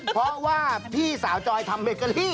เพราะว่าพี่สาวจอยทำเบเกอรี่